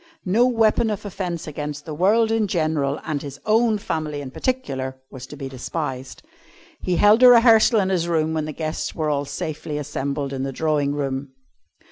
No weapon of offence against the world in general and his own family in particular, was to be despised. He held a rehearsal in his room when the guests were all safely assembled in the drawing room.